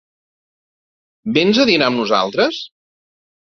Vens a dinar amb nosaltres?